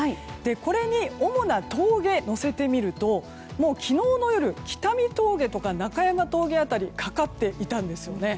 これに主な峠を載せてみると昨日の夜、北見峠とか中山峠はかかっていたんですよね。